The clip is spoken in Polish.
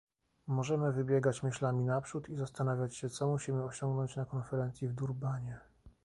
Możemy wybiegać myślami naprzód i zastanawiać się, co musimy osiągnąć na konferencji w Durbanie